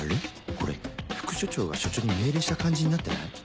これ副署長が署長に命令した感じになってない？